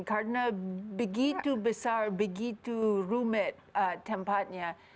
karena begitu besar begitu rumit tempatnya